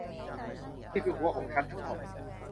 นี่คือหัวของฉันทั้งหมด